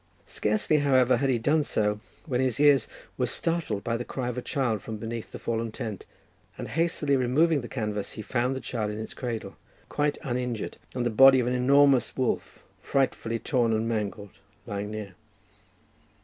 Scarcely, however, had he done so, when his ears were startled by the cry of a child from beneath the fallen tent, and hastily removing the canvas, he found the child in its cradle quite uninjured, and the body of an enormous wolf, frightfully torn and mangled, lying near.